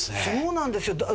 そうなんですよ。